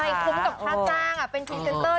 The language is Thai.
คุ้มกับค่าจ้างเป็นพรีเซนเตอร์